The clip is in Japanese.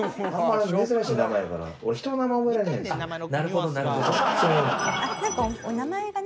なるほどなるほど。